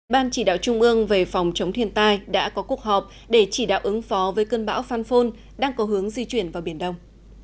ban chỉ đạo trung ương về phòng chống thiên tai đã có cuộc họp để chỉ đạo ứng phó với cơn bão phan phôn đang có hướng di chuyển vào biển đông